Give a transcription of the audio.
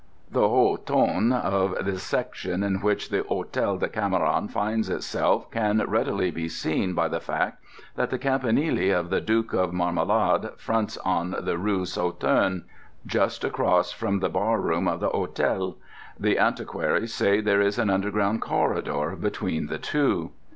The haut ton of the section in which the Hôtel Decameron finds itself can readily be seen by the fact that the campanile of the Duke of Marmalade fronts on the rue Sauterne, just across from the barroom of the Hôtel. The antiquaries say there is an underground corridor between the two.